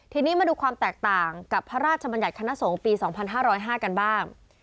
ทีนี้มาดูความแตกต่างกับพระราชบัญญัติคณะสงฆ์ปี๒๕๐๕กันบ้าง